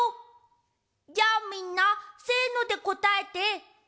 じゃあみんな「せの！」でこたえて。